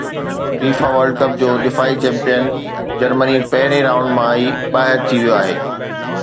FIFA world cup جو دفاعي champion جرمني پهرين رائونڊ مان ئي ٻاهر ٿي ويو آهي